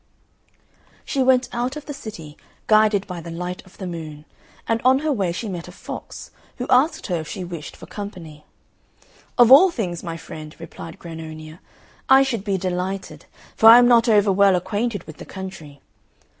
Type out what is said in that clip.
She went out of the city, guided by the light of the moon; and on her way she met a fox, who asked her if she wished for company. "Of all things, my friend," replied Grannonia. "I should be delighted; for I am not over well acquainted with the country."